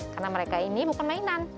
karena mereka ini bukan mainan